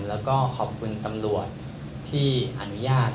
แล้วก็ขอบคุณตำรวจที่อนุญาต